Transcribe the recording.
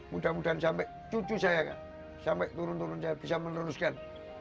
mudah mudahan sampai cucu saya sampai turun turun saya bisa meneruskan